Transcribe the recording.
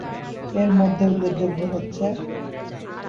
এর মধ্যে উল্লেখযোগ্য হচ্ছেঃ